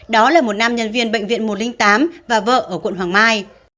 đó là một nam nhân viên bệnh viện một trăm linh tám và vợ ở quận hoàng mai